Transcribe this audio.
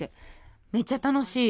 めっちゃ楽しい。